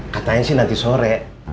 katanya sih nanti sore